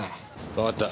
わかった。